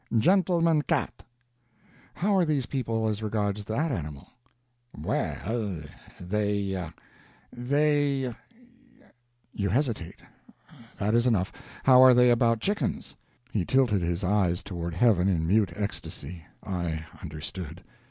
"Gentleman cat." "How are these people as regards that animal?" "We ll, they they " "You hesitate: that is enough. How are they about chickens?" He tilted his eyes toward heaven in mute ecstasy. I understood.